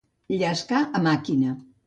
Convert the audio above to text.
Llescar a màquina.